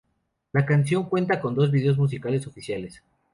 La canción cuenta con dos videos musicales oficiales.